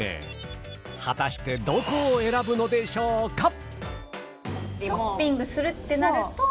果たしてどこを選ぶのでしょうか？